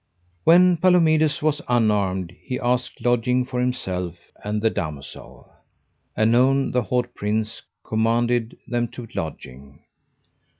When Palomides was unarmed he asked lodging for himself and the damosel. Anon the haut prince commanded them to lodging.